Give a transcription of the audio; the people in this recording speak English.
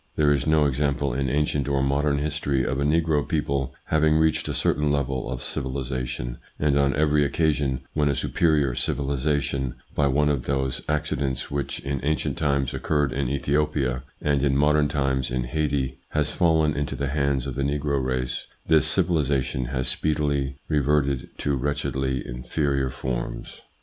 There is no example in ancient or modern history of a negro people having reached a certain level of civilisation ; and on every occasion when a superior civilisation, by one of ITS INFLUENCE ON THEIR EVOLUTION 105 those accidents which in ancient times occurred in Ethiopia, and in modern times in Haiti, has fallen into the hands of the negro race, this civilisation has speedily reverted to wretchedly inferior forms.